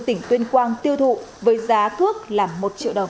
tỉnh tuyên quang tiêu thụ với giá cước là một triệu đồng